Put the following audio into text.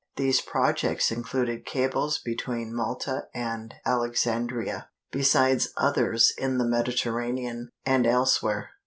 These projects included cables between Malta and Alexandria, besides others in the Mediterranean and elsewhere.